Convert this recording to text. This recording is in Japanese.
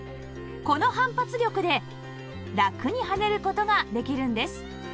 この反発力でラクに跳ねる事ができるんです